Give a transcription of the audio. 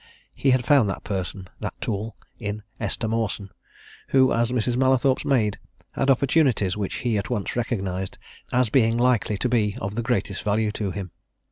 He had found that person, that tool, in Esther Mawson, who, as Mrs. Mallathorpe's maid, had opportunities which he at once recognized as being likely to be of the greatest value to him.